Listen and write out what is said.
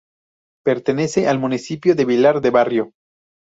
Pertenece al Municipio de Vilar de Barrio.